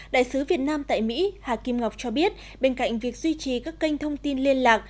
đại sứ việt nam tại mỹ hà kim ngọc cho biết bên cạnh việc duy trì các kênh thông tin liên lạc